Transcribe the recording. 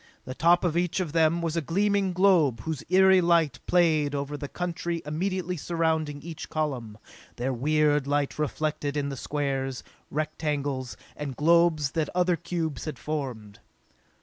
The top of each of them was a gleaming globe whose eery light played over the country immediately surrounding each column, their weird light reflected in the squares, rectangles and globes that other cubes had formed.